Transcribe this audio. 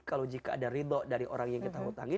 kalau jika ada ridho dari orang yang kita hutangi